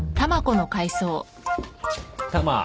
タマ